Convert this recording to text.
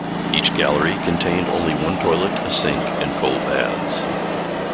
Each gallery contained only one toilet, a sink and cold baths.